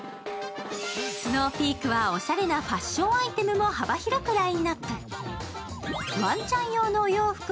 ＳｎｏｗＰｅａｋはおしゃれなファッションアイテムも幅広くラインナップ。